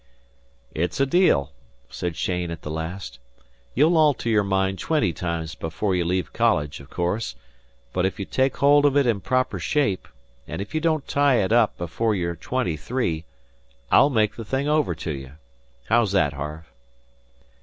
"It's a deal," said Cheyne at the last. "You'll alter your mind twenty times before you leave college, o' course; but if you take hold of it in proper shape, and if you don't tie it up before you're twenty three, I'll make the thing over to you. How's that, Harve?"